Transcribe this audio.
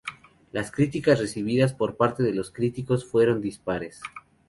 Las críticas recibidas por parte de los críticos fueron dispares.